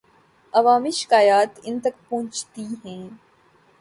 عوامی شکایات ان تک پہنچتی ہیں۔